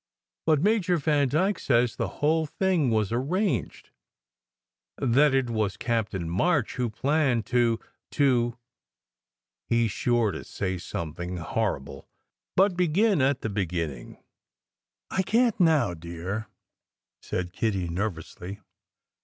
But Major Vandyke says the whole thing was arranged; that it was Captain March who planned to "He s sure to say something horrible. But begin at the beginning!" "I can t now, dear," said Kitty nervously.